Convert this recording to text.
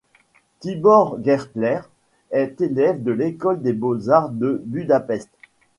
Tibor Gertler est élève de l'école des Beaux-Arts de Budapest.